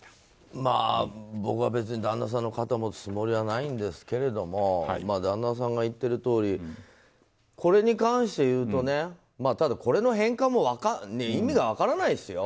まあ、僕は別に旦那さんの肩を持つつもりはないんですけれども旦那さんが言っているとおりこれに関して言うとねこれの返還も意味が分からないですよ。